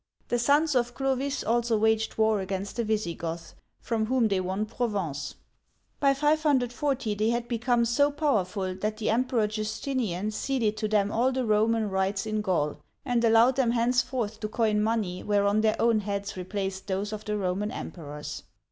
The sons of Clovis also waged war against the Visigoths, from whom they won Provence. By 540 they had become so powerful, that the Emperor Justin'ian ceded to them all the Roman rights in Gaul, and allowed them hence forth to coin money, whereon their own heads replaced those of the Roman Emperors.